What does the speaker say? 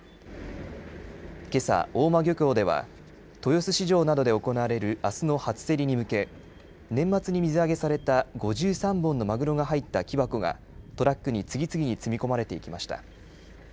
けさ、大間漁協では豊洲市場などで行われるあすの初競りに向け年末に水揚げされた５３本のまぐろが入った木箱がトラックに次々に積み込まれていきました。